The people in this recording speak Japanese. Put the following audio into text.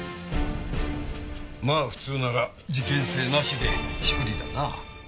まあ普通なら事件性なしで処理だな。